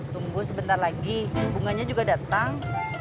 tunggu sebentar lagi bunganya juga datang